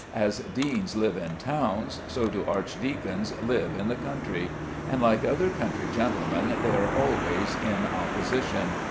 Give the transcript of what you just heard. As deans live in towns, so do archdeacons live in the country; and like other country gentlemen they are always in opposition.